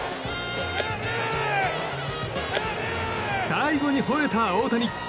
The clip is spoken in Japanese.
最後にほえた大谷！